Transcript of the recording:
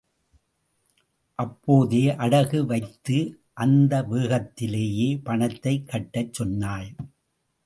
அப்போதே, அடகு வைத்து, அந்த வேகத்திலேயே பணத்தைக் கட்டச் சொன்னாள்.